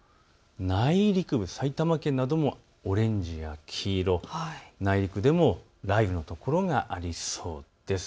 内陸部、埼玉県などもオレンジや黄色、内陸でも雷雨になりそうです。